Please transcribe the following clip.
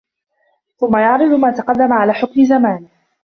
ثُمَّ يَعْرِضَ مَا تَقَدَّمَ عَلَى حُكْمِ زَمَانِهِ